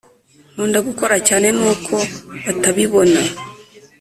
nkunda gukora cyane nuko batabibona